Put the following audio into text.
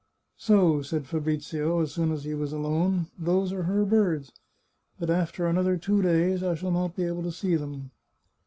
" So," said Fabrizio, as soon as he was alone, " those are her birds ! But after another two days I shall not be able to see them."